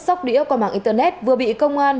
sóc đĩa qua mạng internet vừa bị công an